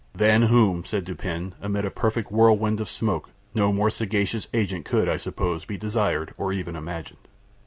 "Than whom," said Dupin, amid a perfect whirlwind of smoke, "no more sagacious agent could, I suppose, be desired, or even imagined."